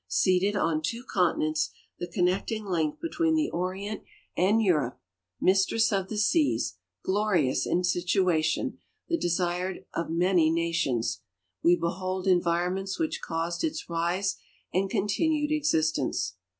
Seated on two continents, the connecting); link between tlie Orient and Europe, mistress of the seas, glorious in situation, the desired of many nations, we behold environments which caused its rise and continued existence.